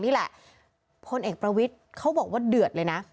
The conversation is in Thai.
นี่แหละพลเอกประวิทย์เขาบอกว่าเดือดเลยนะ